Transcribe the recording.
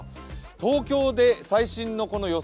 東京で最新の予想